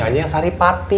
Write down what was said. aku nyanyi yang saripati